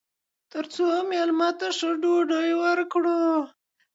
تر څو میلمه ته ښه ډوډۍ ورکړو.